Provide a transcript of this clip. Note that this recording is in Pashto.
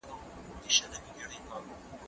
زه به لوبي کړي وي؟